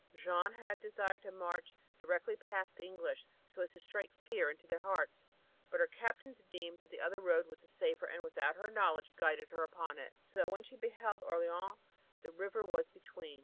Jeanne had desired to march directly past the English, and so strike fear into their hearts, but her captains deemed that the other road was the safer and without her knowledge guided her upon it, so that when she beheld Orleans the river was between.